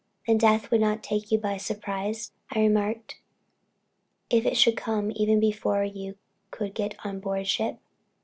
"Then death would not take you by surprise," I remarked, "if it should come even before you could get on board ship."